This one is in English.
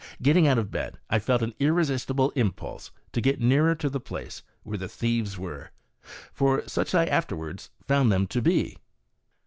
Getting out of bed, I felt an irresistible impulse to get nearer to the place where the thieves 48 maccabe's art of ventriloquism. were, for such I afterwards found them to be.